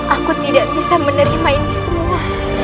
aku tidak bisa menerima ini semua